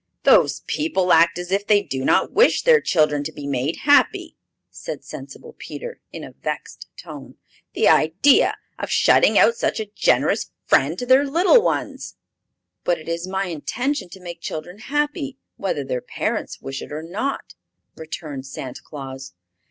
"Those people act as if they do not wish their children to be made happy!" said sensible Peter, in a vexed tone. "The idea of shutting out such a generous friend to their little ones!" "But it is my intention to make children happy whether their parents wish it or not," returned Santa Claus.